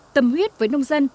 tâm huyết với nông dân